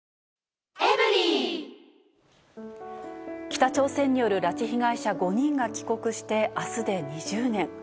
北朝鮮による拉致被害者５人が帰国して、あすで２０年。